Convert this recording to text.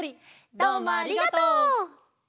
どうもありがとう！